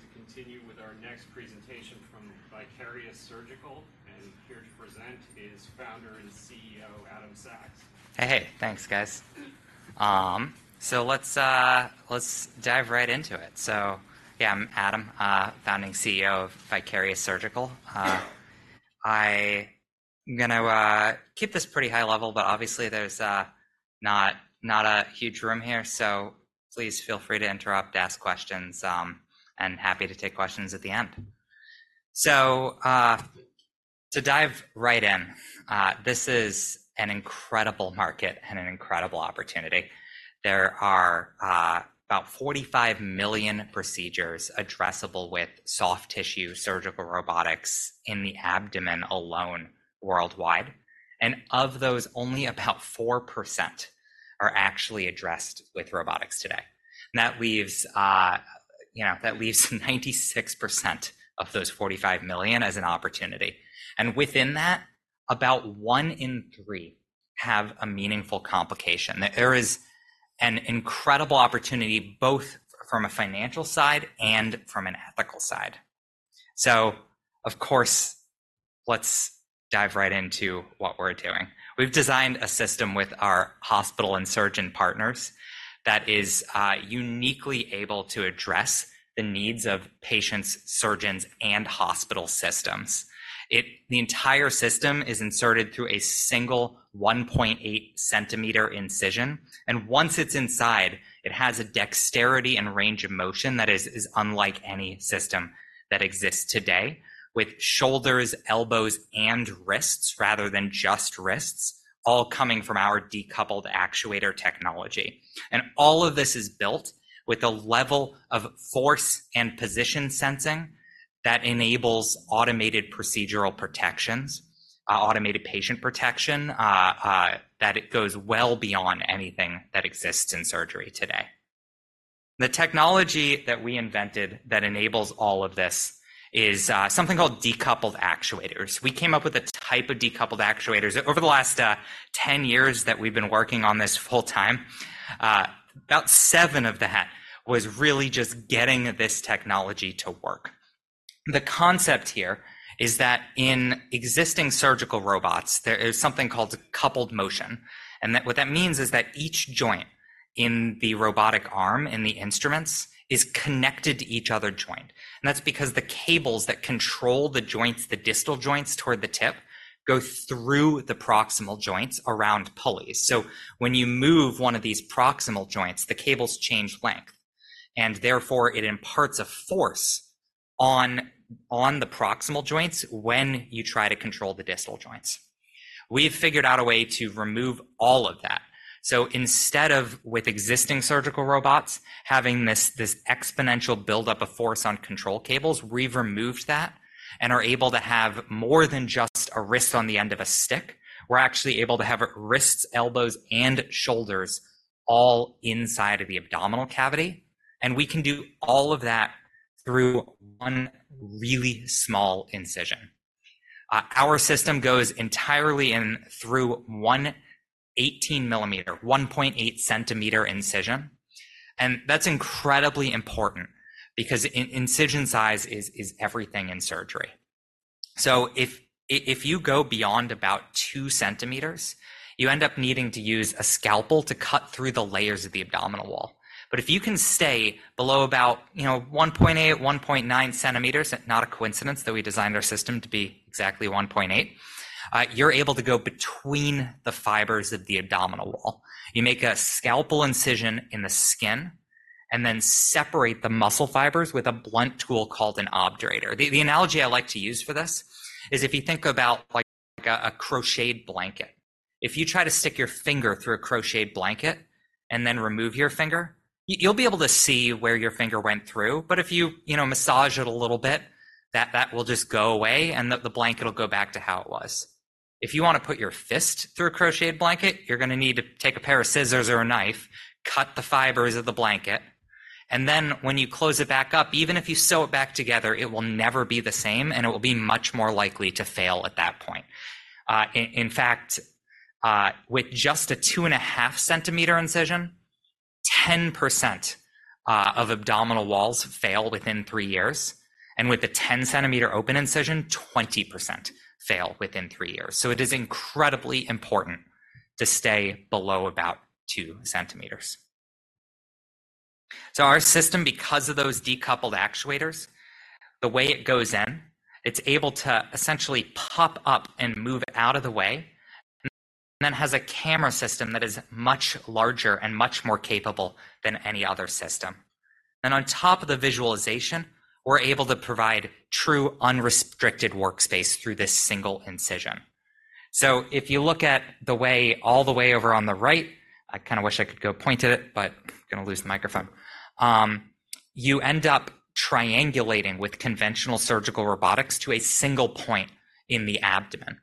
We're going to continue with our next presentation from Vicarious Surgical, and here to present is Founder and CEO Adam Sachs. Hey, hey. Thanks, guys. So let's dive right into it. So yeah, I'm Adam, Founding CEO of Vicarious Surgical. I'm gonna keep this pretty high level, but obviously there's not a huge room here, so please feel free to interrupt, ask questions, and happy to take questions at the end. So, to dive right in, this is an incredible market and an incredible opportunity. There are about 45 million procedures addressable with soft tissue surgical robotics in the abdomen alone worldwide, and of those, only about 4% are actually addressed with robotics today. That leaves, you know, that leaves 96% of those 45 million as an opportunity. And within that, about one in three have a meaningful complication. There is an incredible opportunity both from a financial side and from an ethical side. So, of course, let's dive right into what we're doing. We've designed a system with our hospital and surgeon partners that is uniquely able to address the needs of patients, surgeons, and hospital systems. The entire system is inserted through a single 1.8 cm incision, and once it's inside, it has a dexterity and range of motion that is unlike any system that exists today, with shoulders, elbows, and wrists rather than just wrists, all coming from our decoupled actuator technology. And all of this is built with a level of force and position sensing that enables automated procedural protections, automated patient protection, that it goes well beyond anything that exists in surgery today. The technology that we invented that enables all of this is something called decoupled actuators. We came up with a type of decoupled actuators. Over the last 10 years that we've been working on this full time, about seven of that was really just getting this technology to work. The concept here is that in existing surgical robots, there is something called coupled motion, and that what that means is that each joint in the robotic arm, in the instruments, is connected to each other joint. And that's because the cables that control the joints, the distal joints toward the tip, go through the proximal joints around pulleys. So when you move one of these proximal joints, the cables change length, and therefore it imparts a force on the proximal joints when you try to control the distal joints. We've figured out a way to remove all of that. So instead of, with existing surgical robots, having this exponential buildup of force on control cables, we've removed that and are able to have more than just a wrist on the end of a stick. We're actually able to have wrists, elbows, and shoulders all inside of the abdominal cavity, and we can do all of that through one really small incision. Our system goes entirely in through one 18-mm, 1.8-cm incision, and that's incredibly important because incision size is everything in surgery. So if you go beyond about two cm, you end up needing to use a scalpel to cut through the layers of the abdominal wall. But if you can stay below about, you know, 1.8, 1.9 cm, not a coincidence that we designed our system to be exactly 1.8, you're able to go between the fibers of the abdominal wall. You make a scalpel incision in the skin and then separate the muscle fibers with a blunt tool called an obturator. The analogy I like to use for this is if you think about, like, a crocheted blanket. If you try to stick your finger through a crocheted blanket and then remove your finger, you'll be able to see where your finger went through, but if you, you know, massage it a little bit, that will just go away and the blanket will go back to how it was. If you want to put your fist through a crocheted blanket, you're going to need to take a pair of scissors or a knife, cut the fibers of the blanket, and then when you close it back up, even if you sew it back together, it will never be the same, and it will be much more likely to fail at that point. In fact, with just a 2.5-cm incision, 10% of abdominal walls fail within three years, and with a 10-cm open incision, 20% fail within three years. So it is incredibly important to stay below about two cm. So our system, because of those decoupled actuators, the way it goes in, it's able to essentially pop up and move out of the way, and then has a camera system that is much larger and much more capable than any other system. And on top of the visualization, we're able to provide true unrestricted workspace through this single incision. So if you look at the way all the way over on the right, I kind of wish I could go point at it, but I'm going to lose the microphone, you end up triangulating with conventional surgical robotics to a single point in the abdomen.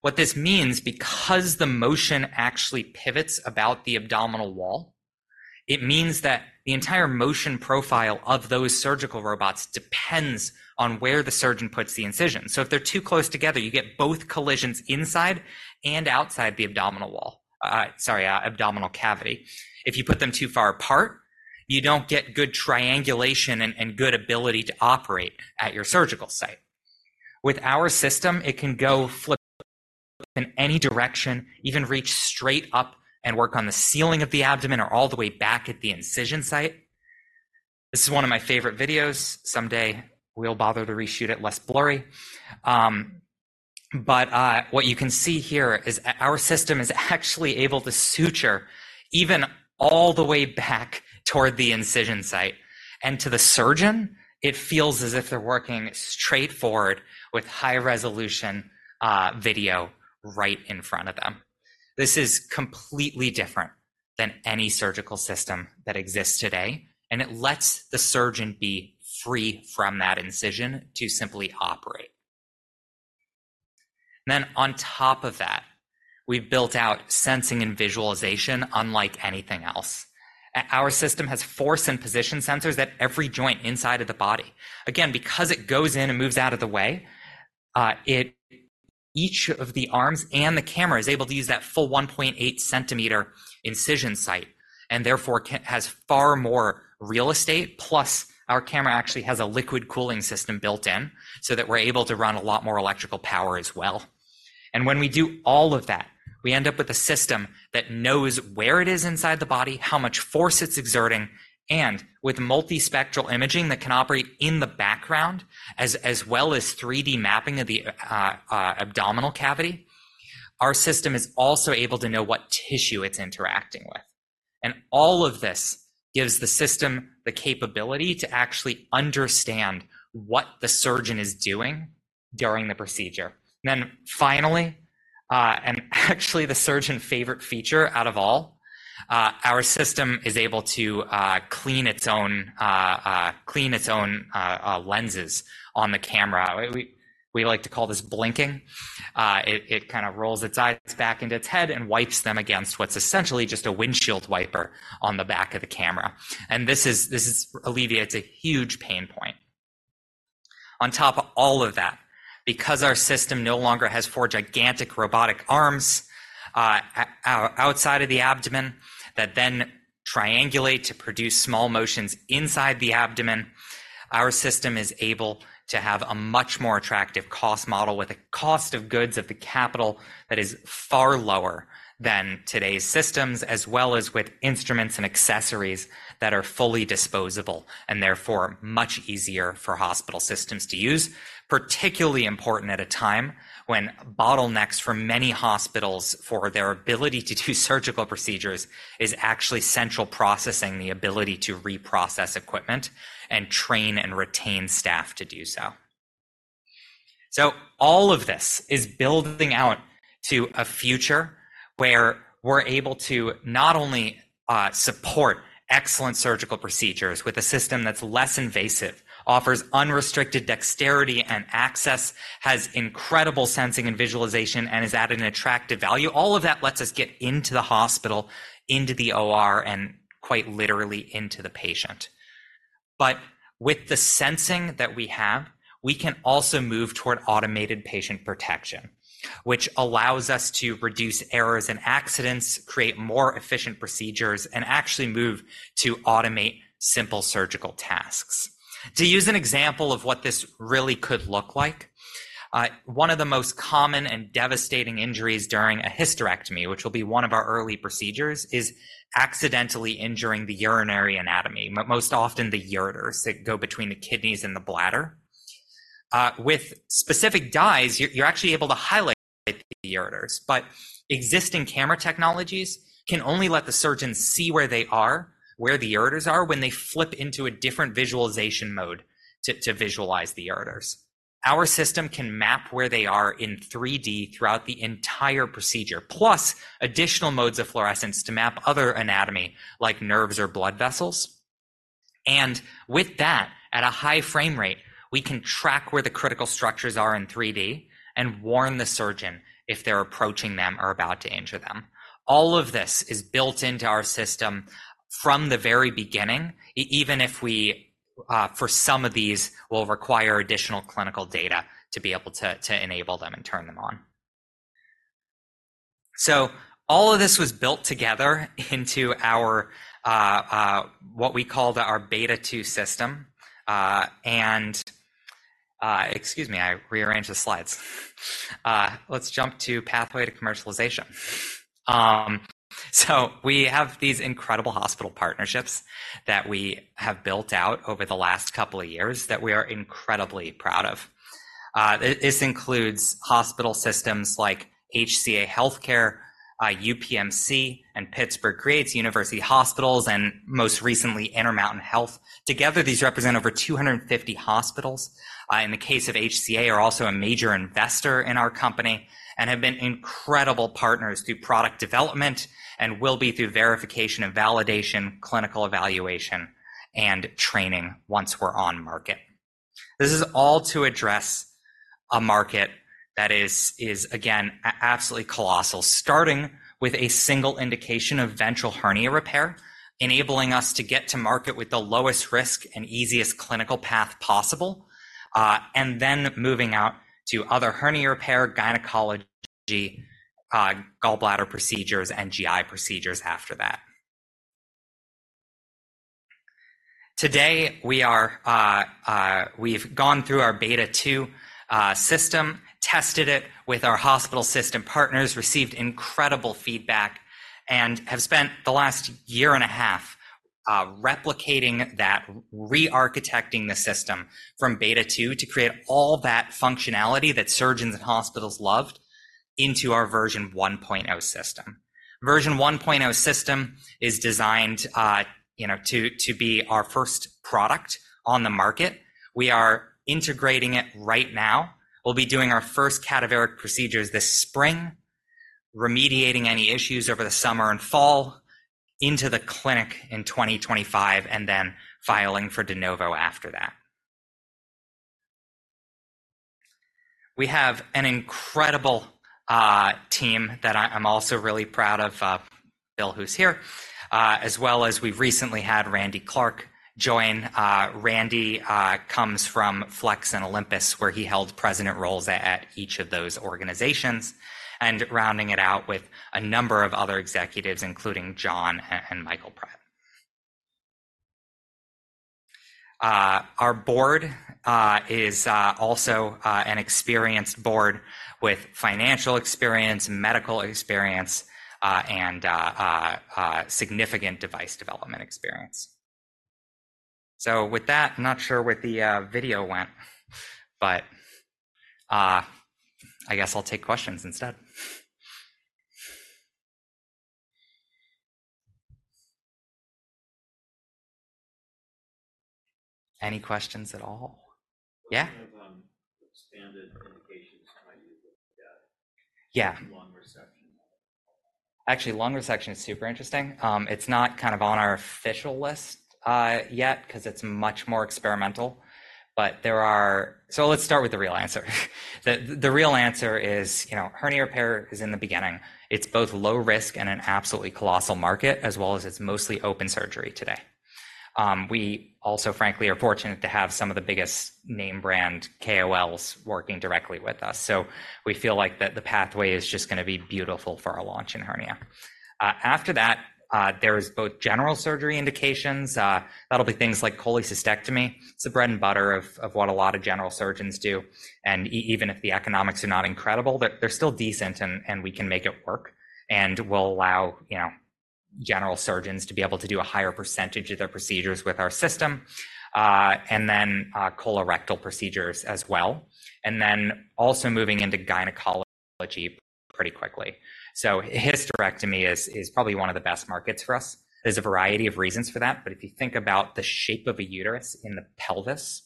What this means, because the motion actually pivots about the abdominal wall, it means that the entire motion profile of those surgical robots depends on where the surgeon puts the incision. So if they're too close together, you get both collisions inside and outside the abdominal wall, sorry, abdominal cavity. If you put them too far apart, you don't get good triangulation and good ability to operate at your surgical site. With our system, it can go flip in any direction, even reach straight up and work on the ceiling of the abdomen or all the way back at the incision site. This is one of my favorite videos. Someday we'll bother to reshoot it less blurry. But, what you can see here is our system is actually able to suture even all the way back toward the incision site, and to the surgeon, it feels as if they're working straightforward with high-resolution video right in front of them. This is completely different than any surgical system that exists today, and it lets the surgeon be free from that incision to simply operate. Then on top of that, we've built out sensing and visualization unlike anything else. Our system has force and position sensors at every joint inside of the body. Again, because it goes in and moves out of the way, each of the arms and the camera is able to use that full 1.8-cm incision site and therefore has far more real estate, plus our camera actually has a liquid cooling system built in so that we're able to run a lot more electrical power as well. When we do all of that, we end up with a system that knows where it is inside the body, how much force it's exerting, and with multispectral imaging that can operate in the background as well as 3D mapping of the abdominal cavity, our system is also able to know what tissue it's interacting with. All of this gives the system the capability to actually understand what the surgeon is doing during the procedure. Then finally, and actually the surgeon's favorite feature out of all, our system is able to clean its own lenses on the camera. We like to call this blinking. It kind of rolls its eyes back into its head and wipes them against what's essentially just a windshield wiper on the back of the camera. And this alleviates a huge pain point. On top of all of that, because our system no longer has four gigantic robotic arms, outside of the abdomen that then triangulate to produce small motions inside the abdomen, our system is able to have a much more attractive cost model with a cost of goods of the capital that is far lower than today's systems, as well as with instruments and accessories that are fully disposable and therefore much easier for hospital systems to use, particularly important at a time when bottlenecks for many hospitals for their ability to do surgical procedures is actually central processing, the ability to reprocess equipment, and train and retain staff to do so. So all of this is building out to a future where we're able to not only support excellent surgical procedures with a system that's less invasive, offers unrestricted dexterity and access, has incredible sensing and visualization, and is adding attractive value. All of that lets us get into the hospital, into the OR, and quite literally into the patient. But with the sensing that we have, we can also move toward automated patient protection, which allows us to reduce errors and accidents, create more efficient procedures, and actually move to automate simple surgical tasks. To use an example of what this really could look like, one of the most common and devastating injuries during a hysterectomy, which will be one of our early procedures, is accidentally injuring the urinary anatomy, most often the ureters that go between the kidneys and the bladder. With specific dyes, you're actually able to highlight the ureters, but existing camera technologies can only let the surgeon see where they are, where the ureters are, when they flip into a different visualization mode to visualize the ureters. Our system can map where they are in 3D throughout the entire procedure, plus additional modes of fluorescence to map other anatomy like nerves or blood vessels. And with that, at a high frame rate, we can track where the critical structures are in 3D and warn the surgeon if they're approaching them or about to injure them. All of this is built into our system from the very beginning, even if we, for some of these, will require additional clinical data to be able to enable them and turn them on. So all of this was built together into our, what we called our Beta 2 system. Excuse me, I rearranged the slides. Let's jump to pathway to commercialization. So we have these incredible hospital partnerships that we have built out over the last couple of years that we are incredibly proud of. This includes hospital systems like HCA Healthcare, UPMC, and Pittsburgh CREATES, University Hospitals, and most recently Intermountain Health. Together, these represent over 250 hospitals. In the case of HCA, they are also a major investor in our company and have been incredible partners through product development and will be through verification and validation, clinical evaluation, and training once we're on market. This is all to address a market that is, is again, absolutely colossal, starting with a single indication of ventral hernia repair, enabling us to get to market with the lowest risk and easiest clinical path possible, and then moving out to other hernia repair, gynecology, gallbladder procedures, and GI procedures after that. Today we are, we've gone through our Beta 2 system, tested it with our hospital system partners, received incredible feedback, and have spent the last year and a half, replicating that, rearchitecting the system from Beta 2 to create all that functionality that surgeons and hospitals loved into our Version 1.0 system. Version 1.0 system is designed, you know, to, to be our first product on the market. We are integrating it right now. We'll be doing our first cadaveric procedures this spring, remediating any issues over the summer and fall into the clinic in 2025, and then filing for De Novo after that. We have an incredible team that I'm also really proud of, Bill, who's here, as well as we've recently had Randy Clark join. Randy comes from Flex and Olympus, where he held president roles at each of those organizations, and rounding it out with a number of other executives, including John and Michael Pratt. Our board is also an experienced board with financial experience, medical experience, and significant device development experience. So with that, I'm not sure where the video went, but I guess I'll take questions instead. Any questions at all? Yeah? Kind of standard indications might be looked at. Yeah. Lung resection. Actually, lung resection is super interesting. It's not kind of on our official list yet because it's much more experimental. But there are—so let's start with the real answer. The real answer is, you know, hernia repair is in the beginning. It's both low risk and an absolutely colossal market, as well as it's mostly open surgery today. We also, frankly, are fortunate to have some of the biggest name brand KOLs working directly with us. So we feel like that the pathway is just going to be beautiful for a launch in hernia. After that, there is both general surgery indications. That'll be things like cholecystectomy. It's the bread and butter of what a lot of general surgeons do. And even if the economics are not incredible, they're still decent, and we can make it work. And we'll allow, you know, general surgeons to be able to do a higher percentage of their procedures with our system, and then, colorectal procedures as well. And then also moving into gynecology pretty quickly. So hysterectomy is probably one of the best markets for us. There's a variety of reasons for that, but if you think about the shape of a uterus in the pelvis,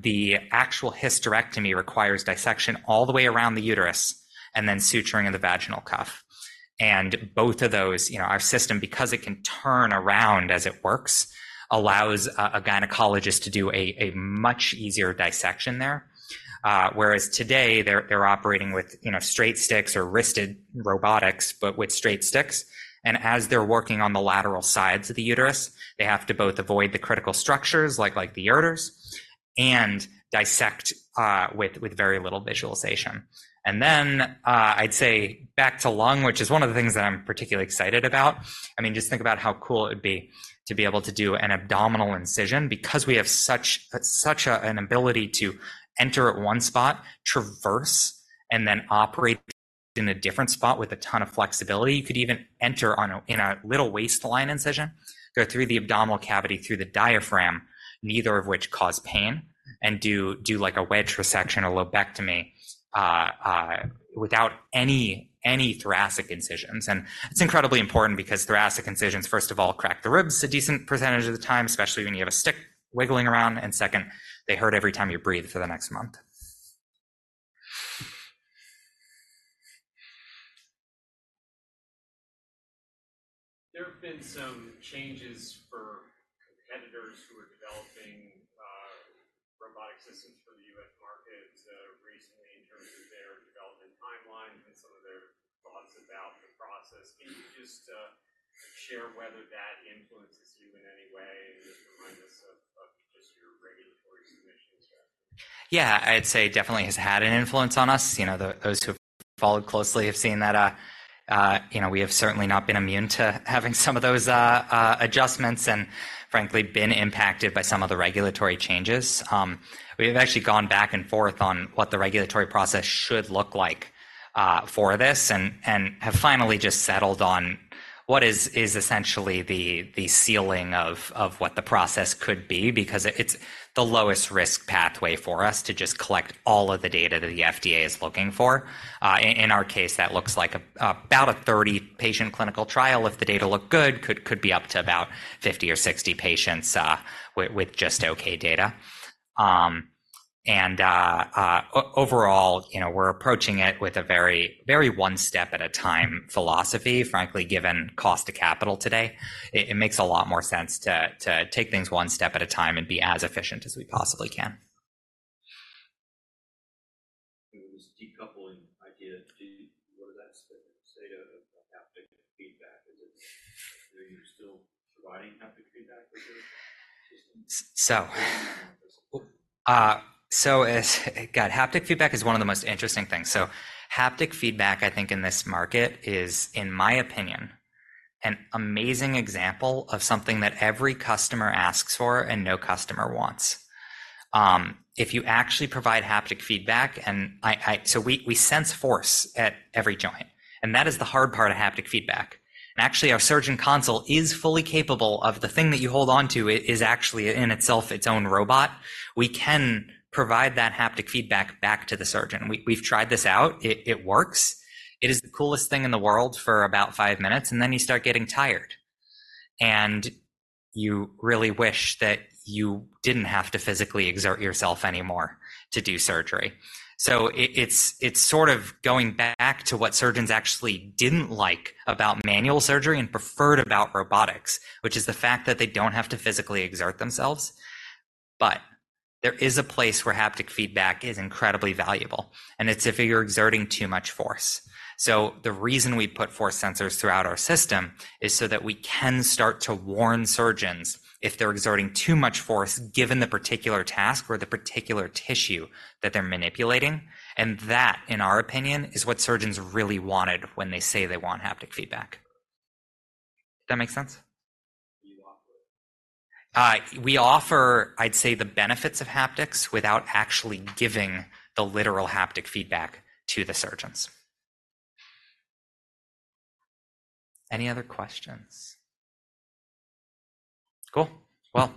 the actual hysterectomy requires dissection all the way around the uterus and then suturing in the vaginal cuff. And both of those, you know, our system, because it can turn around as it works, allows a gynecologist to do a much easier dissection there. Whereas today they're operating with, you know, straight sticks or wristed robotics, but with straight sticks. As they're working on the lateral sides of the uterus, they have to both avoid the critical structures like the ureters and dissect with very little visualization. Then I'd say back to lung, which is one of the things that I'm particularly excited about. I mean, just think about how cool it would be to be able to do an abdominal incision because we have such an ability to enter at one spot, traverse, and then operate in a different spot with a ton of flexibility. You could even enter in a little waistline incision, go through the abdominal cavity, through the diaphragm, neither of which cause pain, and do like a wedge resection, a lobectomy, without any thoracic incisions. It's incredibly important because thoracic incisions, first of all, crack the ribs a decent percentage of the time, especially when you have a stick wiggling around. And second, they hurt every time you breathe for the next month. There have been some changes for competitors who are developing robotic systems for the U.S. market recently in terms of their development timelines and some of their thoughts about the process. Can you just share whether that influences you in any way and just remind us of just your regulatory submissions? Yeah, I'd say definitely has had an influence on us. You know, those who have followed closely have seen that, you know, we have certainly not been immune to having some of those adjustments and frankly been impacted by some of the regulatory changes. We have actually gone back and forth on what the regulatory process should look like for this and have finally just settled on what is essentially the ceiling of what the process could be because it's the lowest risk pathway for us to just collect all of the data that the FDA is looking for. In our case, that looks like about a 30-patient clinical trial. If the data look good, could be up to about 50 or 60 patients with just okay data. Overall, you know, we're approaching it with a very, very one step at a time philosophy, frankly, given cost to capital today. It makes a lot more sense to take things one step at a time and be as efficient as we possibly can. The decoupling idea, what does that say to haptic feedback? Are you still providing haptic feedback with your system? So, it's got haptic feedback, is one of the most interesting things. So haptic feedback, I think, in this market is, in my opinion, an amazing example of something that every customer asks for and no customer wants. If you actually provide haptic feedback, and so we sense force at every joint, and that is the hard part of haptic feedback. And actually, our surgeon console is fully capable of the thing that you hold onto. Is actually in itself its own robot. We can provide that haptic feedback back to the surgeon. We've tried this out. It works. It is the coolest thing in the world for about five minutes, and then you start getting tired. And you really wish that you didn't have to physically exert yourself anymore to do surgery. So it's sort of going back to what surgeons actually didn't like about manual surgery and preferred about robotics, which is the fact that they don't have to physically exert themselves. But there is a place where haptic feedback is incredibly valuable, and it's if you're exerting too much force. So the reason we put force sensors throughout our system is so that we can start to warn surgeons if they're exerting too much force given the particular task or the particular tissue that they're manipulating. And that, in our opinion, is what surgeons really wanted when they say they want haptic feedback. Does that make sense? What do you offer? We offer, I'd say, the benefits of haptics without actually giving the literal haptic feedback to the surgeons. Any other questions? Cool. Well,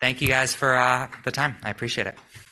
thank you guys for the time. I appreciate it.